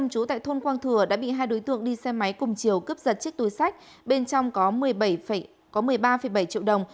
chú tại thôn quang thừa đã bị hai đối tượng đi xe máy cùng chiều cướp giật chiếc túi sách bên trong có một mươi ba bảy triệu đồng